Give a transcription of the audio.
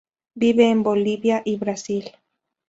Vive en Bolivia y Brasil.